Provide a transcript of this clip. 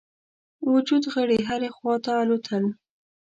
وجود غړي هري خواته الوتل.